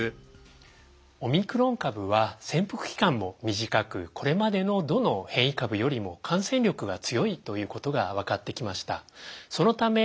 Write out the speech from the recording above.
オミクロン株は潜伏期間も短くこれまでのどの変異株よりも感染力が強いということが分かってきました。